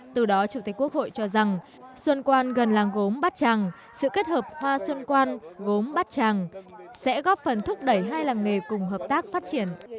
từ đó chủ tịch quốc hội cho rằng xuân quan gần làng gốm bát tràng sự kết hợp hoa xuân quan gốm bát tràng sẽ góp phần thúc đẩy hai làng nghề cùng hợp tác phát triển